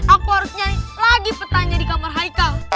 aku harus nyanyi lagi petanya di kamar hai kau